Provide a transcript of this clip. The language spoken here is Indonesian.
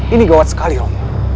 ini gawat sekali om